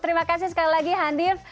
terima kasih sekali lagi handif